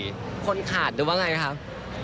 จะเชิงคนขาดหรือว่าไงนะครับ